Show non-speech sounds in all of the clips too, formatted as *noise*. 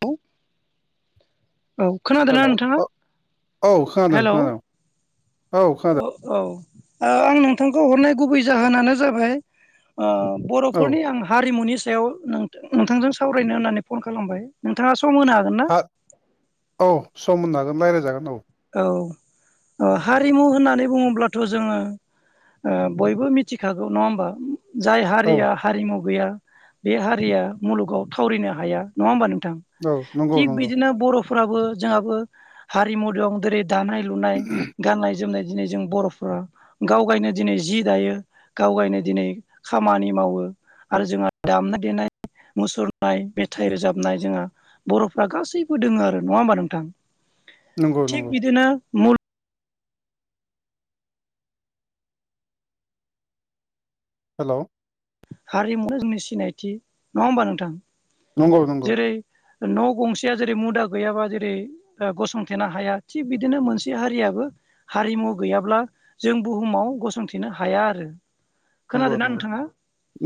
औ औ खोनादों ना हेलौ नोंथाङा औ औ खोनादों हेलौ। खोनादों औ खोनादों ओ औ आ आं नोंथांखौ हरनाय गुबै जाहोनानो जाबाय ओ औ बर'फोरनि आं हारिमुनि सायाव नों-नोंथांजों सावरायनो होननानै फन खालामबाय नोंथाङा सम होनो हागोन ना? हा औ सम होनो हागोन रायलायजागोन औ। औ औ हारिमु होननानै बुङोब्लाथ' जोङो ओ बयबो मिथिखागौ नङा होमबा? जाय औ हारिया हारिमु गैया बे हारिया मुलुगाव थावरिनो हाया नङा होमबा नों थां औ नंगौ थिग नंगौ बिदिनो बर' फोराबो जोंहाबो हारिमु दं देरै दानाय लुनाय गान्नाय जोमनाय। दिनै जों बर'फ्रा गाव गायनो दिनै जि दायो गाव गायनो दिनै खामानि मावो। आरो जोंहा दामनाय देनाय मुसुरनाय मेथाइ रोजाबनाय जोंहा बर'फ्रा गासैबो दोङो आरो नङा होमबा नोंथां? नंगौ थिग नंगौ बिदिनो मुलुग हेल' हारिमुवानो जोंनि सिनायथि नङा होमबा नोंथां? नंगौ नंगौ। जेरै न' गंसेया जेरै मुदा गैयाबा जेरै ओ गसंथेनो हाया थिग बिदिनो मोनसे हारियाबो हारिमु गैयाब्ला जों बुहुमाव गसंथेनो हाया आरो। नंगौ खोनादोंना नंगौ नोंथाङा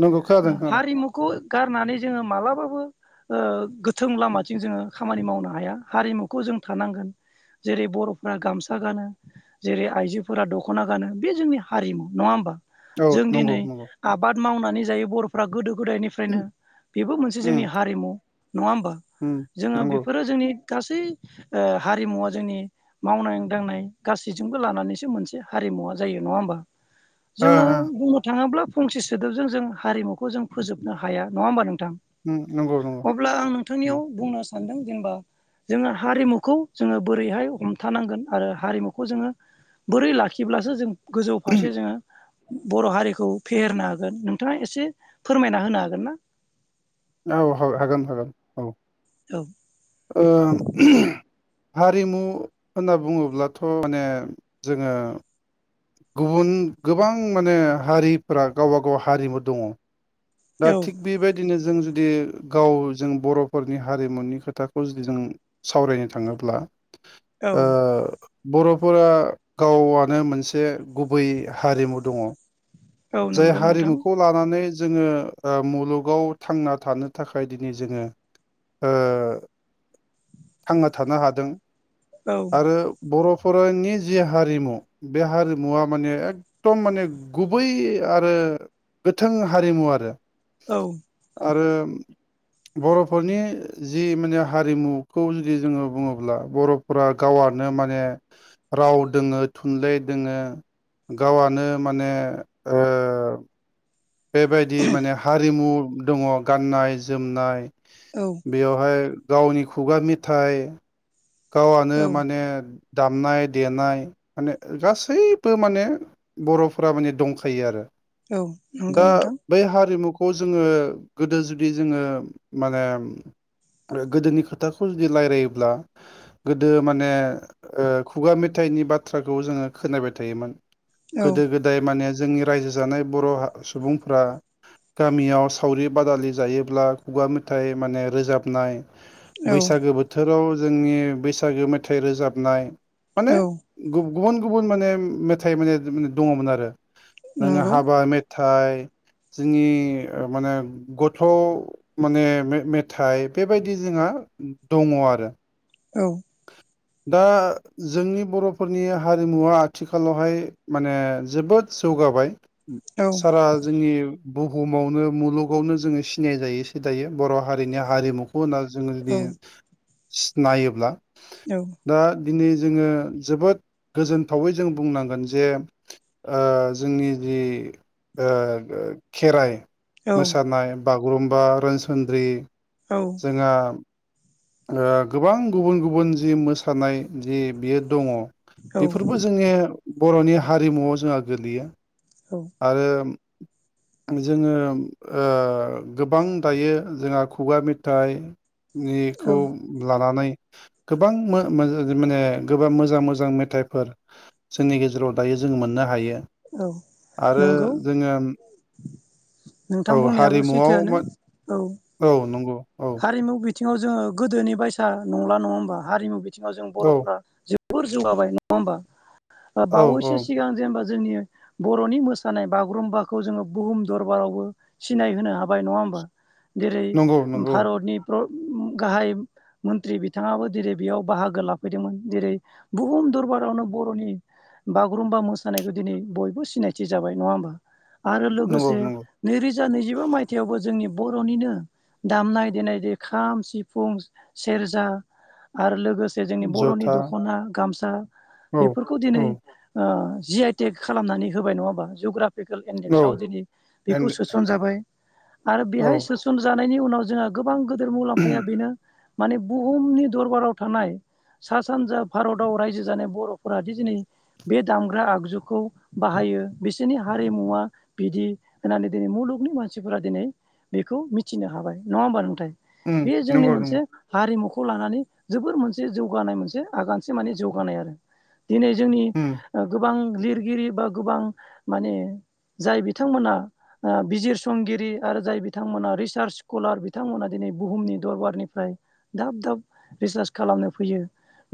नंगौ खोनादों खोनादों हारिमुखौ गारनानै जोङो मालाबाबो ओ गोथों लामाथिं जोङो खामानि मावनो हाया हारिमुखौ जों थानांगोन। जेरै बर'फोरा गामसा गानो जेरै आइजोफोरा दख'ना गानो बे जोंनि हारिमु नङा होमबा? औ जों नंगौ दिनै नंगौ आबाद मावनानै जायो बर'फ्रा गोदो गोदायनिफ्रायनो उम बेबो मोनसे जोंनि हारिमु। नङा होमबा? उम जोङो नंगौ बेफोरो जोंनि गासै ओ हारिमुवा जोंनि मावनाय दांनाय गासैजोंबो लानानैसो मोनसे हारि मुवा जायो नङा होमबा? ओ जोंङो ओ बुंनो थाङोब्ला फंसि सोदोबजों जों हारिमुखौ जों फोजोबनो हाया नङा होमबा नोंथां? उम नंगौ नंगौ अब्ला आं नोंथांनियाव बुंनो सानदों जेनबा जोङो हारिमुखौ जोङो बोरैहाय हमथानांगोन आरो हारिमुखौ जोङो बोरै लाखिब्लासो जों गोजौ फारसे जोङो बर' हारिखौ फेहेरनो हागोन नोंथाङा एसे फोरमायना होनो हागोन ना? औ औ हागोन हागोन औ। औ। ओ *unintelligible* हारिमु होनना बुङोब्लाथ' माने जोङो गुबुन गोबां माने हारिफोरा गावबा गाव हारिमु दङ। दा औ थिग बेबायदिनो जों जुदि गाव जों बर'फोरनि हारिमुनि खोथाखौ जुदि जों सावरायनो थाङोब्ला औ ओ बर'फोरा गावआनो मोनसे गुबै हारिमु दङ। औ जाय नंगौ नोंथां हारिमुखौ लानानै जोङो ओ मुलुगाव थांना थानो थाखाय दिनै जोङो ओ थांना थानो हादों औ आरो बर' फरायनि जि हारिमु बे हारिमुवा माने एकदम माने गुबै आरो गोथों हारिमु आरो औ। आरो बर'फोरनि जि माने हारिमुखौ जुदि जोङो बुङोब्ला बर'फोरा गाव हरनो माने राव दोङो थुनलाइ दोङो गावआनो माने ओ बेबायदि माने हारिमु दङ गाननाय जोमनाय औ बेयावहाय गावनि खुगा मेथाइ गावआनो औ माने दामनाय, देनाय माने गासैबो माने बर'फोरा माने दंखायो आरो। औ नंगौ दा नोंथां बेै हारिमु खौ जोङो गोदो जुदि जोङो माने आरो गोदोनि खोथाखौ जुदि रायलायोब्ला गोदो माने ओ खुगा मेथाइनि बाथ्राखौ जोङो खोनबाय थायोमोन। औ गोदो-गोदाय माने जोंनि रायजो जानाय बर' सुबुंफ्रा गामियाव सावरि बादालि जायोब्ला खुगा मेथाइ माने रोजाबनाय औ बैसागो बोथोराव जोंनि बैसागो मेथाइ रोजाबनाय माने औ गुबुन गुबुन माने मेथाइ माने दङमोन आरो। नोङो नंगौ हाबा मेथाइ जोंनि ओ माने गथ' माने मे मेथाइ बेबायदि जोंहा दङ आरो। औ दा जोंनि बर'फोरनि हारिमुवा आथिखालावहाय माने जोबोद जौगाबाय। औ सारा जोंनि बुहुमावनो मुलुगावनो जोङो सिनाय जायोसो दायो। बर' हारिनि हारिमुखौ होनना जोङो औ जुदि सिनायोब्ला औ। दिनै जोङो जोबोद गोजोनथावै जों बुंनांगोन जे ओ जोंनि जि ओ खेराइ औ मोसानाय बागुरुम्बा रोनसोनद्रि औ जोंहा ओ गोबां गुबुन गुबुन जि मोसानाय जि बियो दंङ औ बेफोरबो जोंनि बर'नि हारिमुवआव जोंहा गोलैयो आरो जोङो ओ गोबां दायो जोंहा खुगा मेथाइ औ निखौ लानानै गोबां मा माने गोबां मोजां मोजां मेथाइफोर जोंनि गेजेराव दायो जों मोननो हायो औ आरो नंगौ जोङो नोंथां औ बुंनायाबो हारिमुआव सैथोआनो म औ औ नंगौ औ हारिमु बिथिङाव जोङो गोदोनि बायसा नंला नङा होमबा हारिमु बिथिङाव जों औ बर'फ्रा जे बुर जौगाबाय नंङा होमबा? ओ औ औ बावैसो सिगां जेनेबा जोंनि बर'नि मोसानाय बागुरुम्बाखौ जोङो बुहुम दरबारावबो सिनायहोनो हाबाय नंङा होमबा? जेरै नंगौ नंगौ भारतनि प्र गाहाय मन्त्रि बिथाङाबो दिरै बेयाव बाहागो लाफैदोंमोन दिरै बुहुम दरबारावनो बर'नि बागुरुम्बा मोसानायखौ दिनै बयबो सिनायथि जाबाय। नङा होमबा? आरो नंगौ लोगोसे नंगौ नैरोजा नैजिबा मायथाइयावबो जोंनि बर'निनो दामनाय-देनाय दे खाम, सिफुं, सेरजा आरो लोगोसे जे जोंनि बर'नि जथा दख'ना, गामसा औ बेफोरखौ औ दिनै ओ जि आइ तेक खालामनानै होबाय नङा होमबा? जुग्राफ फिकेल औ इेदेक्स दिनै बेखौ एन्ड सोसन जाबाय आरो औ बेहाय सोसन जानायनि उनाव जोंहा गोबां गोदोर मुलाम्फाया उम बेनो माने बुहुमनि दरबाराव थानाय सा-सानजा भारताव रायजो जानाय बर'फोरादि दिनै बे दामग्रा आगजुखौ बाहायो बिसोरनि हारिमुवा बिदि होननानै दिनै मुल लुगनि मानसिफोरा दिनै बेखौ मिथिनो हाबाय। नङा होमबा नोंथाय? बे जोंनि नंगौ मोनसे नंगौ हारिमु खौ लानानै जोबोर मोनसे जौगानाय मोनसे आगानसे माने जौगानाय आरो। दिनै जोंनि उम ओ गोबां लिरगिरि बा गोबां माने जाय बिथांमोना ओ बिजिरसंगिरि आरो जाय बिथांमोना रिसार्च स्कलार बिथांमोना दिनै बुहुमनि दरबारनिफ्राय दाब दाब रिसार्च खालामनो फैयो।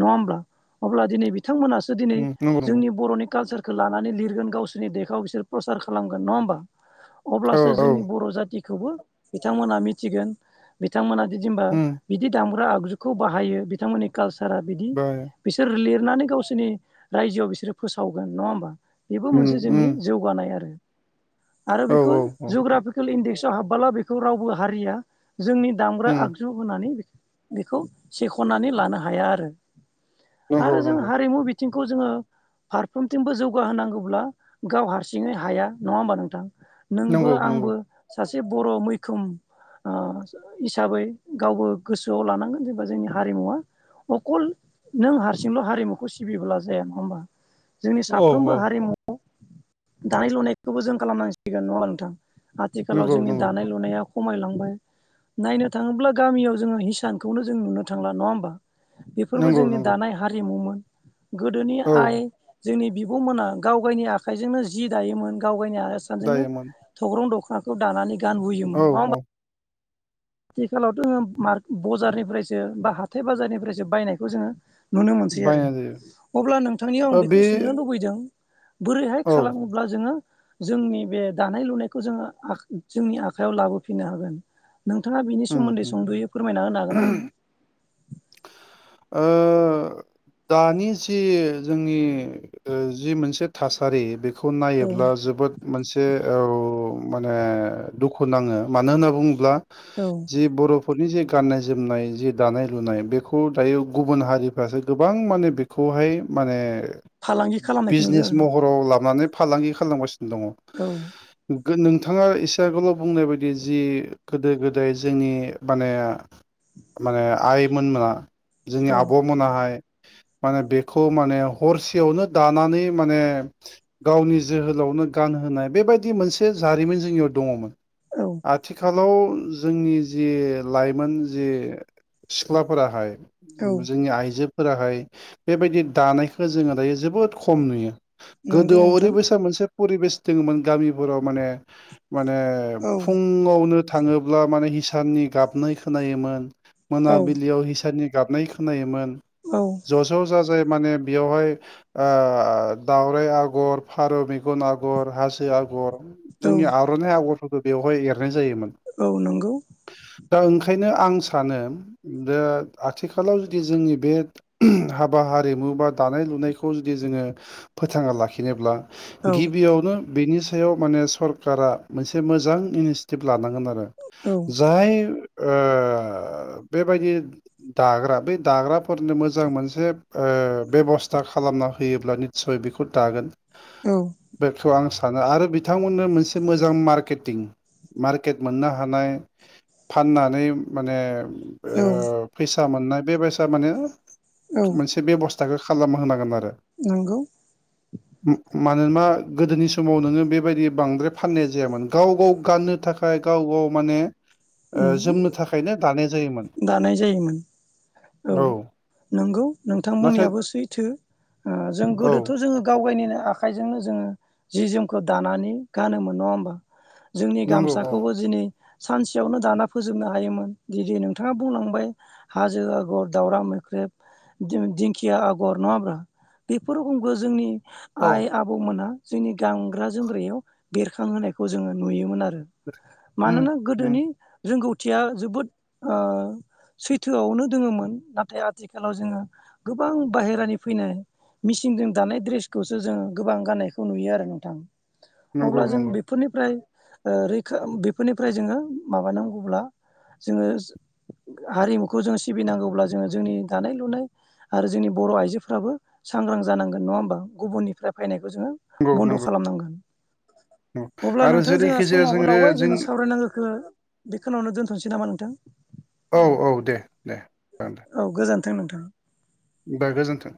नंङा होमब्ला? अब्ला दिनै बिथांमोनासो दिनै उम नंगौ नंगौ जोंनि बर'नि कालसार खो लानानै लिरगोन गावसोरनि देखआव बिसोर प्रसार खालामगोन। नङा होमबा? औ अब्लासो औ जोंनि बर' जाथिखौबो बिथांमोना मिथिगोन बिथांमोना बिदि होमबा उम बिदि दामग्रा आगजुखौ बाहायो बिथांमोननि कालसारा बिदि। बाय बिसोर लिर नानै गावसोरनि रायजोआव बिसोरो फोसावगोन। नङा होमबा? बेबो उम मोनसे जोंनि उम जौगानाय आरो आरो औ बेखौ औ औ ज'ग्राफिकेल इन्डेक्सआव हाबबोला बेखौ रावबो हारिया जोंनि दामग्रा उम आगजु होनानै बेखौ सेख'नानै लानो हाया आरो। नंगौ आरो जों नंगौ हारिमु बि बिथिंखौ जोङो फारफ्रोमथिंबो जौगाहोनांगौब्ला गाव हारसिङै हाया। नङा होमबा नोंथां? नोंबो नंगौ नंगौ आंबो सासे बर' मैखोम ओ हिसाबै गावबो गोसोआव लानांगोन जेनेबा जोंनि हारिमुवा अखल नों हारसिंल' हारिमुखौ सिबिबोब्ला जाया। नङा होमबा? जोंनि औ साफ्रोमबो औ हारिमुआव दानाय लुनायखौबो जों खालामनांसिगोन। नंङाहोमबला नोंथां? आथिखालाव नंगौ जोंनि नंगौ दानाय लुनाया खमायलांबाय नायनो थाङोब्ला गामियाव जोङो हिसानखौनो जों नुनो थांला। नंङा होमबा? बेफोरबो नंगौ जोंनि नंगौ दानाय हारिमुमोन गोदोनि औ आइ जोंनि बिब'मोना गाव गायनि आखायजोंनो जि दायोमोन गाव गायनि सानजोंनो दायोमोन थौग्रं दख'नाखौ दानानै गानबोयोमोन। औ नङा होमबा औ आथिखालावथ' जोंङो मार बजारनिफ्रायसो बा हाथाय बाजारनिफ्रायसो बायनायखौ जोङो नुनो मोनसै आरो बायनाय जायो अब्ला नोंथांनियाव ओ आं बे बेखौ सोंनो लुबैदों बोरैहाय औ खालामोब्ला जोङो जोंनि बे दानाय लुनायखौ जोङो आख जोंनि आखायाव लाबोफिननो हागोन? नोंथाङा बेनि उम सोमोन्दै उम संद'यै फोरमायना होनो हागोन ना आंनो? ओ दानि जि जोंनि जि मोनसे थासारि बे बेखौ नायोब्ला जोबोद मोनसे औ माने दुखु नाङो, मानो होनना बुङोब्ला औ जि बर'फोरनि जे‌ गाननाय-जोमनाय जि दानाय-लुनाय बेखौ दायो गुबुन हारिफ्रासो गोबां माने बेखौहाय माने फालांगि खालामनायखौ नुदों बिजनेस आरो महराव लानानै फालांगि खालामगासिनो दङ' गोनोंथाङा एसे आगोलाव बुंनाय बायदि जि गोदो गोदाय जोंनि माने माने आइ मोना जोंनि औ आब'मोनाहाय *unintelligible* माने बेखौ माने हरसेयावनो दानानै माने गावनि जोहोलावनो गान होनाय बेबायदि मोनसे जारिमिन जोंनियाव दङमोन। औ आथिखाल लाव जोंनि जे लाइमोन जे सिख्ला फोराहाय औ जोंनि आइजोफोराहाय बेबायदि दानायखौ जोङो दायो जोबोद खम नुयो नंगौ गोदोआव नोंथां ओरैबायसा मोनसे फरिबेस दोङोमोन गामिफोराव माने माने औ फुङावनो थाङोब्ला माने हिसाननि गाबनाय खोनायोमोन औ मोनाबिलियाव हिसाननि गाबनाय खोनायोमोन औ ज' ज' जाजाय माने बेवहाय ओ दावराइ आगर फारौ मेगन आगर हासो आगर औ जोंनि आर'नाइ आगरफोरखौ बेवहाय एर नाय जायोमोन औ नंगौ दा ओंखायनो आं सानो दा आथिखालाव जुदि जोंनि बे हाबा हारिमु बा दानाय लुनायखौ जुदि जोङो फोथाङा लाखिनोब्ला औ गिबियावनो बेनि सायाव माने सरकारा मोनसे मोजां इनिसिटिभ लानां गोन आरो औ जाय ओ बेबायदि दाग्रा बे दाग्राफोरनो मो जां मोनसे ओ बेब'स्था खालामना होयोब्ला निस्सय बेखौ दागोन औ बेखौ आं सानो आरो बिथांमोननो मोनसे मोजां मारकेटिं मारकेट मोननो हानाय फाननानै माने औ सा मोननाय बेबायसा माने औ मोनसे बेबस्थाखौ खालामना होनांगोन आ नंगौ *unintelligible* मानोना गोदोनि समाव नोङो बेबायदि बांद्राय फाननाय जायामोन गाव गाव गाननो थाखाय गाव गाव बौ माने ओ उम जोमनो थाखायनो दानाय जायोमोन दानाय जायोमोन औ नाथाय नोंथांमोननियाबो सैथो जों औ गोदोथ' जोङो गावगायनो आखाइजोंनो जोङो जि जोमखौ दानानै गानोमोन नङा होमबा। जोंनि नंगौ औ गामसाखौबो जिनै सानसेयावनो दाना फोजोबनो हायोमोन गिदि नों थाङा बुंलांबाय हाजो आगर दावराइ मोख्रेब दि-दिंखिया आगर नङा होब्रा बेफोर रोखोमखौ जोंनि औ आइ आबौमोनहा जोंनि गानग्रा जोमग्रायाव बेरखांहोनायखौ जोङो नुयोमोन आरो उम मानोना उम गोदोनि रोंगौथिया जोबोद ओ सैथोआवनो दोङोमोन नाथाय आथिखालाव जोङो गोबां बाहेरानि फैनाय मिसिनजों दानाय द्रेसखौसो जों गोबां गाननायखौ नुयो आरो नोंथां। नंगौ अब्ला जों नंगौ बेफोरनिफ्राय ओ रैखा बेफोरनिफ्राय जोङो माबानांगौब्ला जोङो हारिमुखौ जों सिबिनांगौब्ला जोङो जोंनि दानाय लुनाय आरो जोंनि बर' आइजोफ्राबो सांग्रां जानांगोन नङा होमबा गुबुननिफ्राय फैनाय जों नंगौ बन्द' नंगौ खालामनांगोन‌। नंगौ अब्ला आरो नोंथां जोंहा जेरैखि जाया समाबो जोङो लावबाय जों जोंनि सावरायनांगौखौ बेखौनो दोनथ थननोसै नामा नोंथां? औ औ दे दे जागोन दे थों नोंथां बा गोजोन्थों